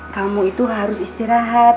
kamu itu harus istirahat